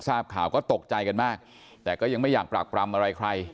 ทราบข่าวก็ตกใจกันมากแต่ก็ยังไม่อยากปราบปรำอะไรใคร